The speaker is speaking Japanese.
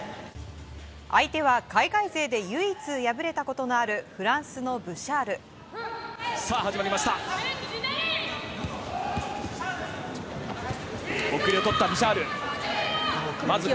相手は海外勢で唯一敗れたことのあるフランスのブシャール。